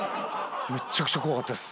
めっちゃくちゃ怖かったです。